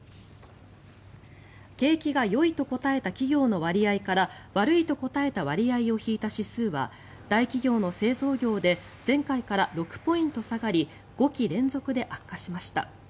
景気がよいと答えた企業の割合から悪いと答えた割合を引いた指数は大企業の製造業で前回から６ポイント下がり５期連続で悪化しました。